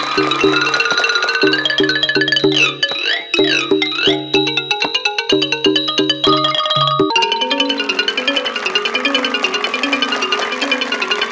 สวัสดีครับสวัสดีครับ